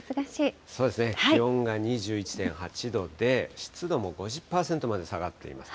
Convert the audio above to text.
そうですね、気温が２１．８度で、湿度も５０％まで下がっています。